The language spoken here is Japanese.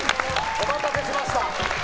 お待たせしました。